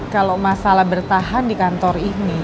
kalau masalah bertahan di kantor ini